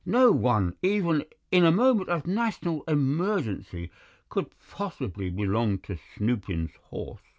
No one, even in a moment of national emergency, could possibly belong to Spoopin's Horse."